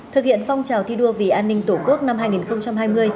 thực hiện phong trào thi đua vì an ninh tổ quốc năm hai nghìn hai mươi